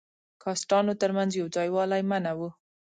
کاسټانو تر منځ یو ځای والی منع وو.